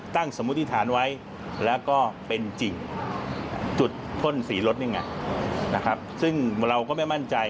สมมุติฐานไว้แล้วก็เป็นจริงจุดพ่นสีรถนี่ไงนะครับซึ่งเราก็ไม่มั่นใจ